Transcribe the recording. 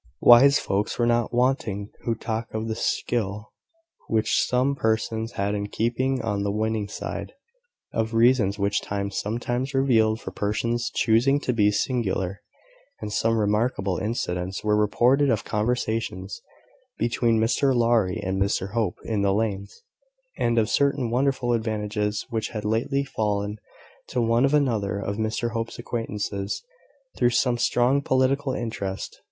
Wise folks were not wanting who talked of the skill which some persons had in keeping on the winning side, of reasons which time sometimes revealed for persons choosing to be singular, and some remarkable incidents were reported of conversations between Mr Lowry and Mr Hope in the lanes, and of certain wonderful advantages which had lately fallen to one or another of Mr Hope's acquaintances, through some strong political interest.